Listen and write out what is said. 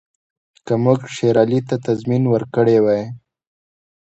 که موږ شېر علي ته تضمین ورکړی وای.